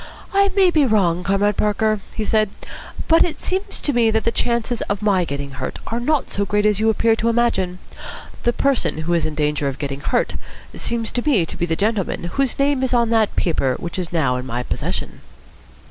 "I may be wrong, Comrade Parker," he said, "but it seems to me that the chances of my getting hurt are not so great as you appear to imagine. The person who is in danger of getting hurt seems to me to be the gentleman whose name is on that paper which is now in my possession."